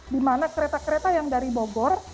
dimana kereta kereta yang dari bogor